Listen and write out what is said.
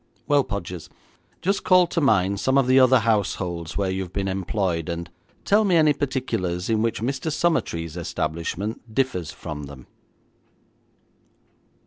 'Well, Podgers, just call to mind some of the other households where you have been employed, and tell me any particulars in which Mr Summertrees' establishment differs from them.'